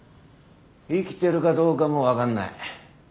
生きてるかどうかも分かんない。